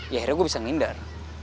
ya akhirnya gue bisa ngindar